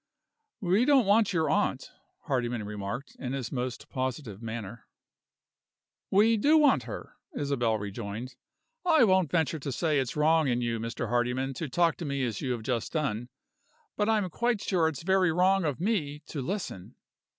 "We don't want your aunt," Hardyman remarked, in his most positive manner. "We do want her," Isabel rejoined. "I won't venture to say it's wrong in you, Mr. Hardyman, to talk to me as you have just done, but I am quite sure it's very wrong of me to listen."